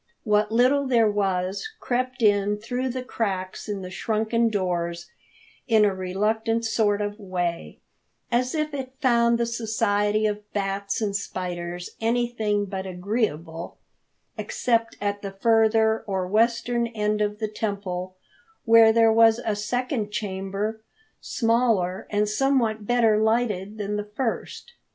What little there was crept in through the cracks in the shrunken doors in a reluctant sort of way, as if it found the society of bats and spiders anything but agreeable; except at the further or western end of the temple, where there was a second chamber, smaller and somewhat better lighted than the first.